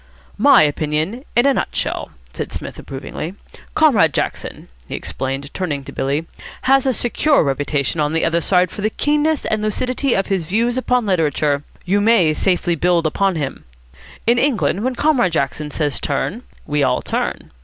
"My opinion in a nutshell," said Psmith, approvingly. "Comrade Jackson," he explained, turning to Billy, "has a secure reputation on the other side for the keenness and lucidity of his views upon literature. You may safely build upon him. In England when Comrade Jackson says 'Turn' we all turn.